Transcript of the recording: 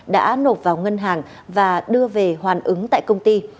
đã nộp vào ngân hàng và đưa về hoàn ứng tại công ty